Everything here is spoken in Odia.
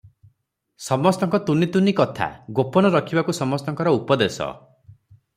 ସମସ୍ତଙ୍କ ତୁନି ତୁନି କଥା, ଗୋପନ ରଖିବାକୁ ସମସ୍ତଙ୍କର ଉପଦେଶ ।